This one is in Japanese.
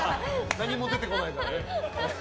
何も出てこないからね。